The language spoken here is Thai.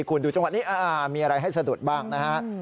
คุณดูจังหวะนี้มีอะไรให้สะดุดบ้างนะฮะ